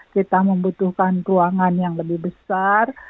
kita membutuhkan ruangan yang lebih besar